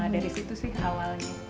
dari situ sih awalnya